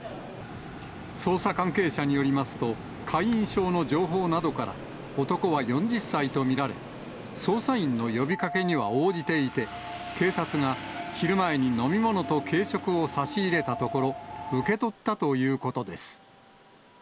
捜査関係者によりますと、会員証の情報などから、男は４０歳と見られ、捜査員の呼びかけには応じていて、警察が昼前に飲み物と軽食を差し入れたところ、受け取ったということです。